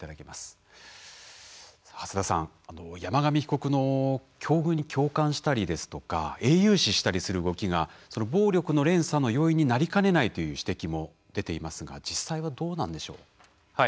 初田さん山上被告の境遇に共感したりですとか英雄視したりする動きが暴力の連鎖の要因になりかねないという指摘も出ていますが実際はどうなんでしょう？